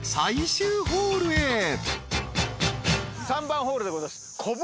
３番ホールでございます。